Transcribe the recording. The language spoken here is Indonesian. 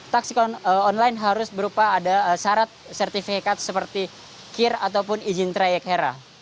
taksi online harus berupa ada syarat sertifikat seperti kir ataupun izin trayek hera